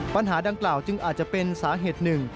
ปัญหาดังกล่าวจึงอาจจะเป็นสาเหตุหนึ่ง